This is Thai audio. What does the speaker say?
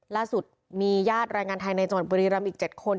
ล่าสุดมีญาติแรงงานไทยในจังหวัดบุรีรำอีก๗คน